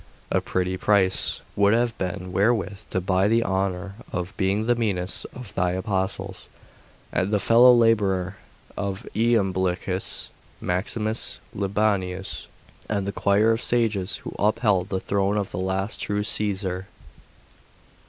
A pretty price would that have been wherewith to buy the honour of being the meanest of thy apostles, the fellow labourer of Iamblichus, Maximus, Libanius, and the choir of sages who upheld the throne of the last true Caesar!